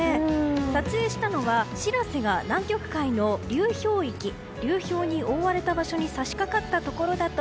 撮影したのは「しらせ」が南極海の流氷域、流氷に覆われた場所に差し掛かったところだ